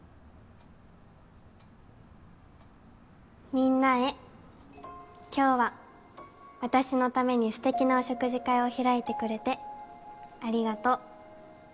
「みんなへ今日は私の為に素敵なお食事会を開いてくれてありがとう。